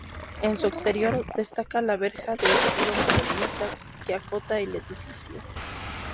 En su exterior, destaca la verja de estilo modernista que acota el edificio.